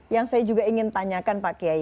yang saya juga ingin tanyakan pak kiai